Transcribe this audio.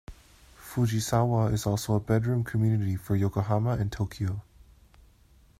Fujisawa is also a bedroom community for Yokohama and Tokyo.